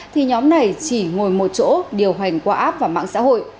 thì nhóm này chỉ ngồi một chỗ điều hành qua app và mạng xã hội